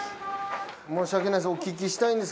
申し訳ないです